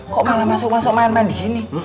kok malah masuk masuk main main disini